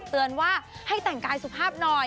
เตือนว่าให้แต่งกายสุภาพหน่อย